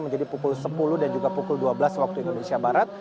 menjadi pukul sepuluh dan juga pukul dua belas waktu indonesia barat